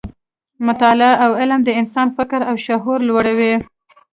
مطالعه او علم د انسان فکر او شعور لوړوي.